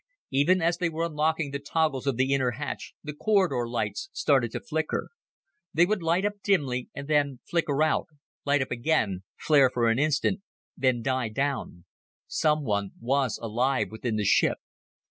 Even as they were unlocking the toggles of the inner hatch, the corridor lights started to flicker. They would light up dimly, and then flicker out, light up again, flare for an instant, then die down. Someone was alive within the ship.